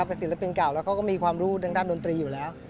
เป็นศิลปินเก่าแล้วเขาก็มีความรู้ทางด้านดนตรีอยู่แล้ว